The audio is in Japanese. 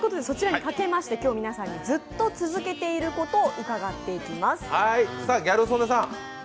そちらにかけまして、今日は皆さんにずっと続けていることを伺っていきます。